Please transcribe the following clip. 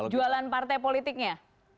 jualan partai politiknya